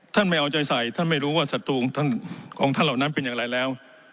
ไม่เอาใจใส่ท่านไม่รู้ว่าศัตรูของท่านของท่านเหล่านั้นเป็นอย่างไรแล้ว